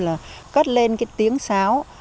là cất lên cái tiếng sáo